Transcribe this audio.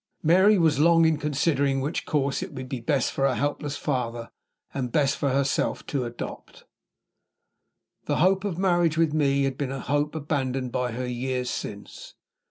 Mary was long in considering which course it would be best for her helpless father, and best for herself, to adopt. The hope of a marriage with me had been a hope abandoned by her years since.